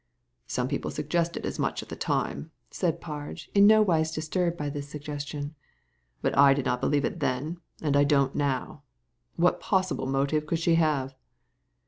"Some people suggested as much at the time," said Parge, in no wise disturbed by this suggestion. "But I did not believe it then, and I don't now. What possible motive could she have?